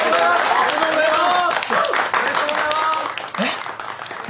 ありがとうございます。